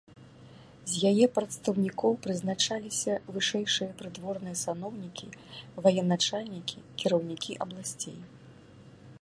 З яе прадстаўнікоў прызначаліся вышэйшыя прыдворныя саноўнікі, ваеначальнікі, кіраўнікі абласцей.